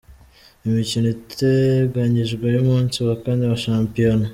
Imikino iteganyijwe y’umunsi wa kane wa Shampiona.